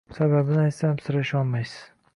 Sababini aytsam, sira ishonmaysiz.